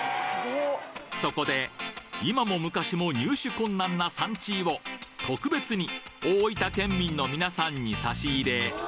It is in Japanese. そこで今も昔も入手困難なサンチーを特別に大分県民の皆さんに差し入れ！